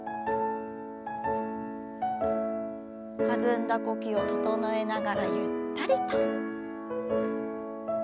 弾んだ呼吸を整えながらゆったりと。